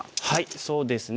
そうですね